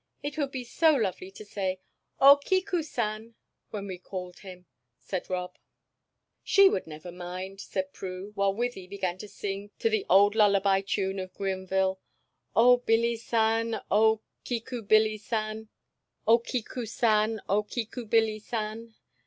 It would be so lovely to say: 'O Kiku san,' when we called him," said Rob. "She would never mind," said Prue, while Wythie began to sing to the old lullaby tune of Greenville: "O Billy san, O Kiku Billy san; O Kiku san, O Kiku Billy san."